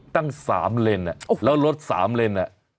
ตั้ง๓เลนแล้วรถ๓เลน